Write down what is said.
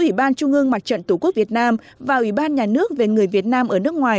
ủy ban trung ương mặt trận tổ quốc việt nam và ủy ban nhà nước về người việt nam ở nước ngoài